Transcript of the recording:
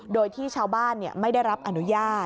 โดยที่ชาวบ้านไม่ได้รับอนุญาต